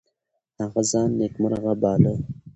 هغه ځان نیکمرغه باله.